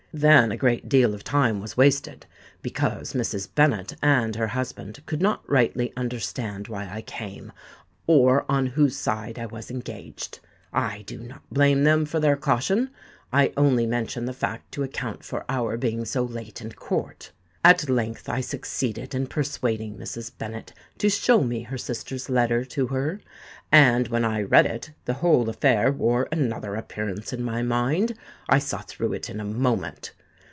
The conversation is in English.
Then a great deal of time was wasted, because Mrs. Bennet and her husband could not rightly understand why I came, or on whose side I was engaged. I do not blame them for their caution:—I only mention the fact to account for our being so late in court. At length I succeeded in persuading Mrs. Bennet to show me her sister's letter to her; and when I read it, the whole affair wore another appearance in my mind. I saw through it in a moment.